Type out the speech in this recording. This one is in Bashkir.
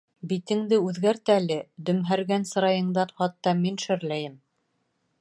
Битеңде үҙгәрт әле, дөмһәргән сырайыңдан хатта мин шөрләйем.